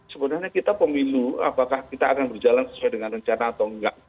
sebenarnya kita pemilu apakah kita akan berjalan sesuai dengan rencana atau enggak